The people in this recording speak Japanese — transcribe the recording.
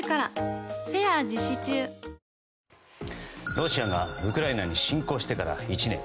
ロシアがウクライナに侵攻してから１年。